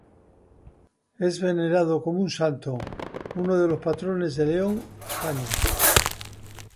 Es venerado como un santo, uno de los patrones de León, España.